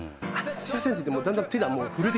すいませんって言ってだんだん。